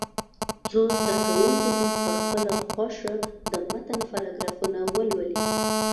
څو زده کوونکي دې په خپله خوښه د متن پاراګرافونه ولولي.